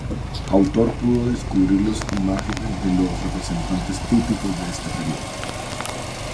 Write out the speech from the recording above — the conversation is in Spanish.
Autor pudo descubrir los imágenes de los representantes típicos de este período.